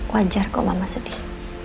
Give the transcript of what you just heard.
wajar kok mama sedih